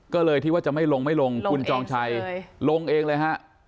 ก็เลยที่ว่าจะไม่ลงไม่ลงคุณจองชัยลงเองเลยฮะ